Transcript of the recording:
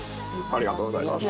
ありがとうございます。